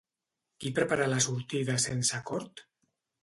Qui prepara la sortida sense acord?